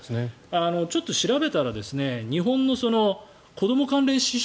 ちょっと調べたら日本の子ども関連支出